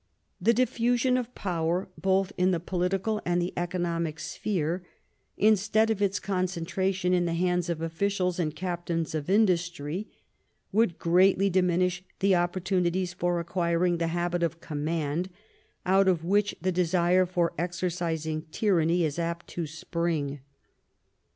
The diffusion of power, both in the political and the economic sphere, instead of its concentration in the hands of officials and captains of industry, would greatly diminish the opportunities for acquiring the habit of command, out of which the desire for exercising tyranny is apt to spring.